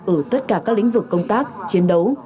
ở tất cả các lĩnh vực công tác chiến đấu